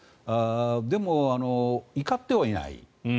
でも、怒ってはいない。